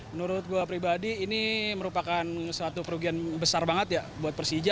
menurut gue pribadi ini merupakan suatu kerugian besar banget ya buat persija